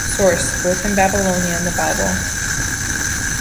Source: Birth in Babylonia and the Bible.